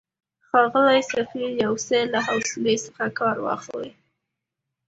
ښاغلی سفیر، یو څه له حوصلې څخه کار واخلئ.